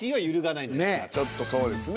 ちょっとそうですね。